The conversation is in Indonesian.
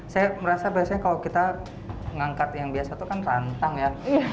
saya merasa biasanya kalau kita ngangkat yang biasa itu kan rantang ya